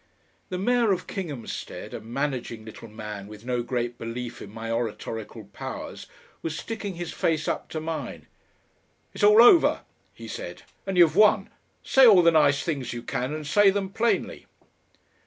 The Mayor of Kinghamstead, a managing little man with no great belief in my oratorical powers, was sticking his face up to mine. "It's all over," he said, "and you've won. Say all the nice things you can and say them plainly."